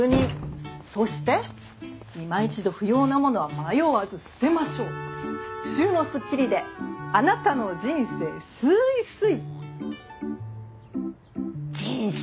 「そして今一度不要な物は迷わず捨てましょう」「収納すっきりであなたの人生すーいすい」人生